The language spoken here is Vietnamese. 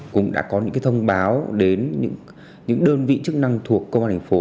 cũng đã có những thông báo đến những đơn vị chức năng thuộc công an thành phố